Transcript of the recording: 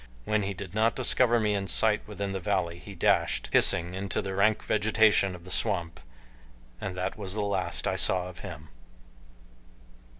When he did not discover me in sight within the valley he dashed, hissing, into the rank vegetation of the swamp and that was the last I saw of him.